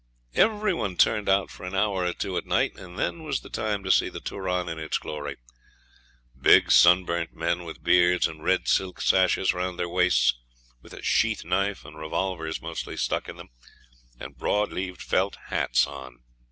Every one turned out for an hour or two at night, and then was the time to see the Turon in its glory. Big, sunburnt men, with beards, and red silk sashes round their waists, with a sheath knife and revolvers mostly stuck in them, and broad leaved felt hats on.